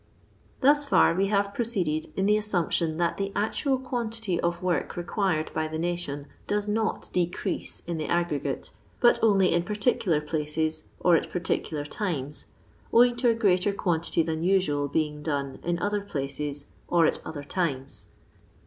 Thus £ur we have proceeded in the assumption that the actual quantity of work required by the nation does 'not decrease in the aggrtyate^ hvA only in jxirtictUar pldces or at jMirtieular Hma, owing to a greater quantity than usual being done in other places or at other times *.